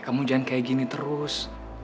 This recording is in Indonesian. kamu jangan kayak gini terus